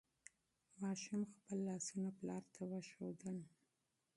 ماشوم خپل لاسونه پلار ته وښودل.